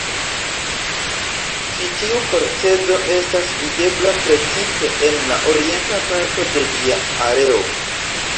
Ĉi tiu procezo estas videbla precipe en la orienta parto de ĝia areo.